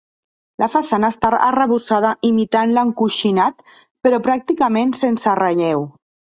La façana està arrebossada imitant l'encoixinat però pràcticament sense relleu.